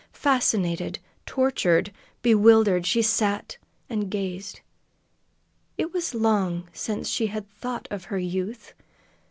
Fascinated, tortured, bewildered, she sat and gazed. It was long since she had thought of her youth.